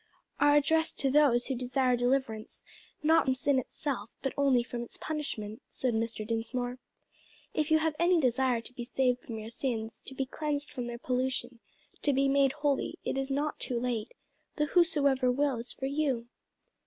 '" "Are addressed to those who desire deliverance, not from sin itself, but only from its punishment," said Mr. Dinsmore. "If you have any desire to be saved from your sins, to be cleansed from their pollution, to be made holy, it is not too late the 'whosoever will' is for you."